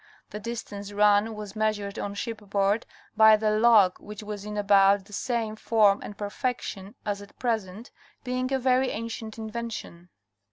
The distance run was measured on shipboard by the log which was in about the same form and perfection as at present, being a very ancient invention.